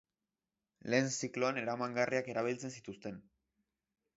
Lehen zikloan eramangarriak erabiltzen zituzten.